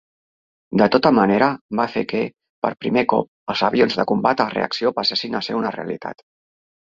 De tota manera, va fer que, per primer cop, els avions de combat a reacció passessin a ser una realitat.